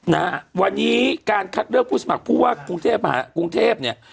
นะฮะวันนี้การคัดเลือกผู้สมัครผู้ว่ากรุงเทพเนี่ย